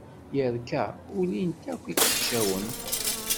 Yerka, ulin-t akk ikeččawen.